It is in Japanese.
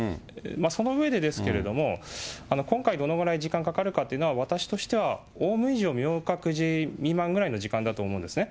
その上でですけれども、今回、どのぐらい時間かかるかというのは、私としてはオウム以上明覚寺未満ぐらいの時間だと思うんですね。